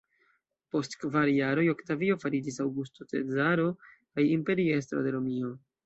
Post kvar jaroj, Oktavio fariĝis Aŭgusto Cezaro kaj imperiestro de Romio.